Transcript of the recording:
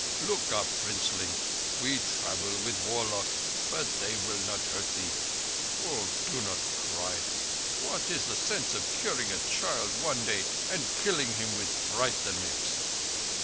"Look up, Princeling! We travel with warlocks, but they will not hurt thee. Oh, do not cry ... What is the sense of curing a child one day and killing him with fright the next?"